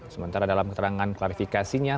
sementara dalam keterangan klarifikasinya